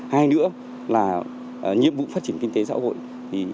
hai nữa là nhiệm vụ phát triển kinh tế xã hội